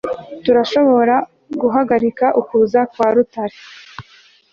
turashobora guhagarika ukuza kwa rutare